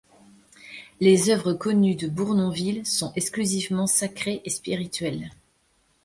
Les œuvres connues de Bournonville sont exclusivement sacrées et spirituelles.